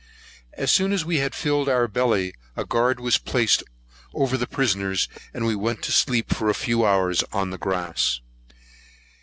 As soon as we had filled our belly, a guard was placed over the prisoners, and we went to sleep for a few hours on the grass.